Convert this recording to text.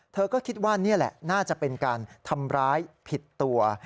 เธอก็คิดว่านี่แหละน่าจะเป็นการทำร้ายผิดตัว